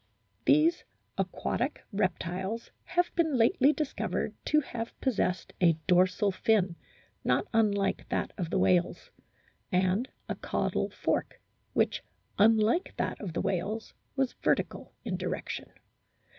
These aquatic reptiles have been lately io A BOOK OF WHALES discovered to have possessed a dorsal fin not unlike that of the whales, and a caudal fork which, unlike that of the whales, was vertical in direction.